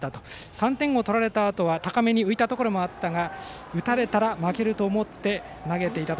３点を取られたあとは高めに浮いたところがあったが打たれたら負けると思って投げていたと。